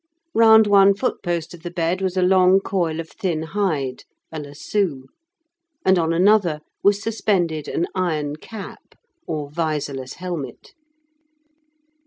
Round one footpost of the bed was a long coil of thin hide, a lasso, and on another was suspended an iron cap, or visorless helmet.